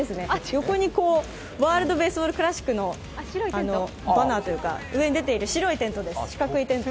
横にワールドベースボールクラシックのバナーというか、上に出ている白いテントです。